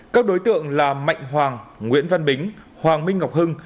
các đối tượng là mạnh hoàng nguyễn văn bính hoàng minh ngọc hưng